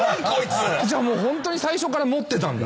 じゃあホントに最初から持ってたんだ？